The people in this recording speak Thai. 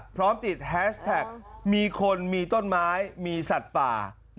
พร้อมติดแฮชแท็กมีคนมีต้นไม้มีสัตว์ป่า